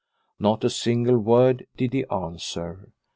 Not a single word did he answer.